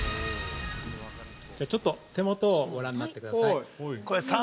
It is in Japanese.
◆じゃあ、ちょっと手元をご覧になってください。